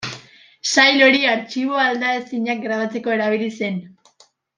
Sail hori artxibo aldaezinak grabatzeko erabili zen.